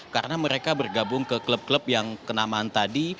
karena mereka bergabung ke klub klub yang kenamaan tadi